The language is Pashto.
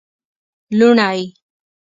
لوڼی